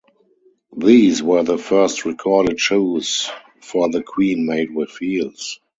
These were the first recorded shoes for the queen made with heels.